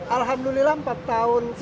alhamdulillah empat tahun kita lalui